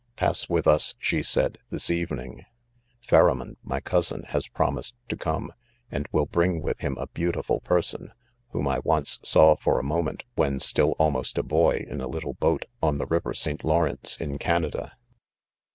—• "Pass wtih us," she said, "this evening* — Fharamond, my cousin, has promised to come 3 and will bring with him a beautiful person, whom I once saw, for a moment, when still almost a boy, in a little boat, on the river St, Lawrence, in Canada.